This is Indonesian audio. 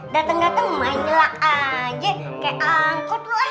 dateng dateng main jelak aja kayak angkot lu ah